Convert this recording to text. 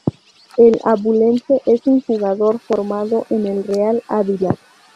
El abulense es un jugador formado en el Real Ávila.